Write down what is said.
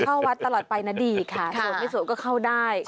เข้าวัดตลอดไปนะดีค่ะสวดไม่สวดก็เข้าได้